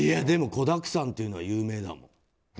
でも、子だくさんっていうのは有名だもん。